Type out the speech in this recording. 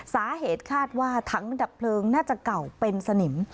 สาเหตุคาดว่าถังดับเพลิงน่าจะเก่าเป็นสนิม